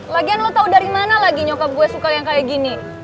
lagian lo tau dari mana lagi nyokap gue suka yang kayak gini